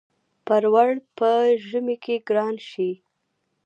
پروړ په ژمی کی ګران شی.